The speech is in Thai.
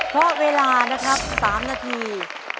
เพราะเวลานะครับ๓นาที